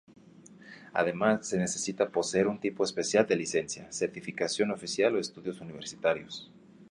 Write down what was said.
Además, se necesita poseer un tipo especial de licencia, certificación oficial o estudios universitarios.